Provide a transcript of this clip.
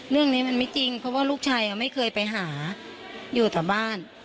เรื่องนี้มันไม่จริงเพราะว่าลูกชายไม่เคยไปหาอยู่แต่บ้าน